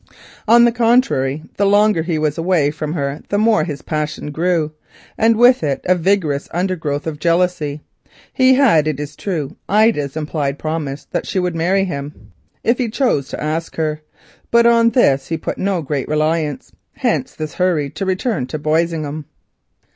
On the contrary, the longer he was away from her the more his passion grew, and with it a vigorous undergrowth of jealousy. He had, it is true, Ida's implied promise that she would marry him if he chose to ask her, but on this he put no great reliance. Hence his hurry to return to Boisingham.